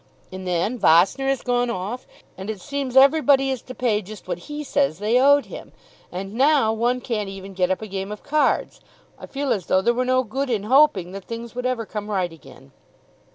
And then Vossner has gone off, and it seems everybody is to pay just what he says they owed him. And now one can't even get up a game of cards. I feel as though there were no good in hoping that things would ever come right again."